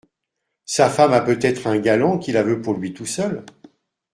Sa femme a peut-être un galant qui la veut pour lui tout seul ?